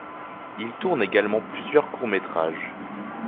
Il tourne également plusieurs court métrage.